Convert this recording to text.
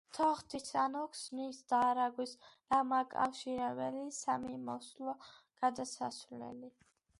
თოხთის, ანუ ქსნის და არაგვის დამაკავშირებელი სამიმოსვლო გადასასვლელი.